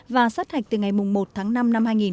và sát hạch từ ngày một tháng năm năm hai nghìn hai mươi